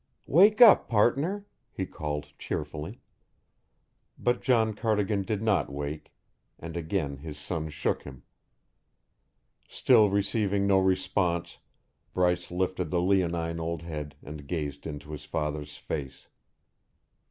"Wake up, partner," he called cheerfully. But John Cardigan did not wake, and again his son shook him. Still receiving no response, Bryce lifted the leonine old head and gazed into his father's face.